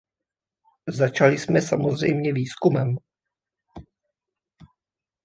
Začali jsme samozřejmě výzkumem.